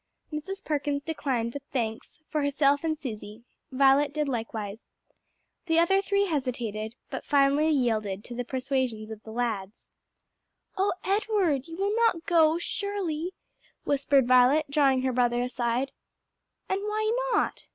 Mrs. Perkins declined, with thanks, for herself and Susie. Violet did likewise. The other three hesitated, but finally yielded to the persuasions of the lads. "O Edward, you will not go, surely?" whispered Violet, drawing her brother aside. "And why not?"